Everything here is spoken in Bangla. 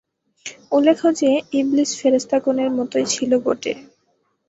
উল্লেখ্য যে, ইবলীস ফেরেশতাগণের মতই ছিল বটে।